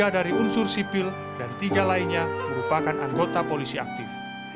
tiga dari unsur sipil dan tiga lainnya merupakan anggota polisi aktif